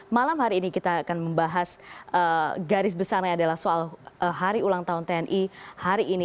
malam hari ini kita akan membahas garis besarnya adalah soal hari ulang tahun tni hari ini